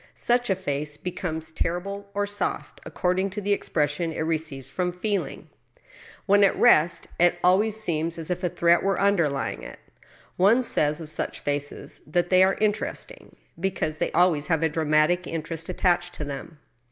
Such a face becomes terrible or soft according to the expression it receives from feeling. When at rest, it always seems as if a threat were underljring it. One says of such faces that they are interesting, because they always have a dramatic interest attached to them.